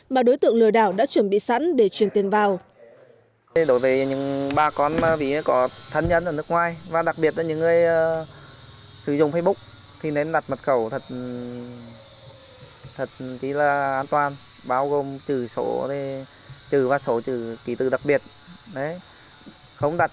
mà đối tượng lừa đảo đã chuẩn bị sẵn để chuyển tiền vào